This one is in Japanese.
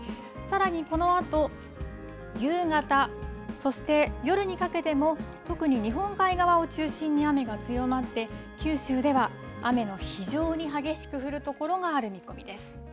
さらに、このあと夕方そして夜にかけても特に日本海側を中心に雨が強まって九州では雨の非常に激しく降る所がある見込みです。